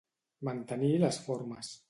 Mantenir les formes.